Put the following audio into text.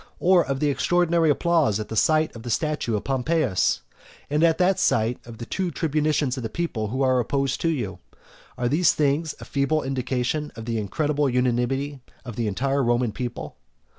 or of the extraordinary applause at the sight of the statue of Pompeius? and at that sight of the two tribunes of the people who are opposed to you? Are these things a feeble indication of the incredible unanimity of the entire Roman people?